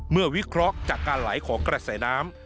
วิเคราะห์จากการไหลของกระแสน้ำ